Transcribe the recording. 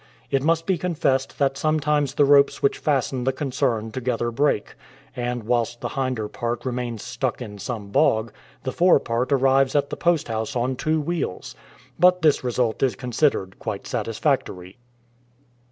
It must be confessed that sometimes the ropes which fasten the concern together break, and whilst the hinder part remains stuck in some bog, the fore part arrives at the post house on two wheels; but this result is considered quite satisfactory.